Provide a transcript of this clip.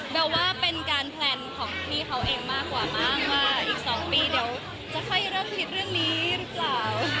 ว่าเป็นการแพลนของพี่เขาเองมากกว่ามั้งว่าอีก๒ปีเดี๋ยวจะค่อยเริ่มคิดเรื่องนี้หรือเปล่า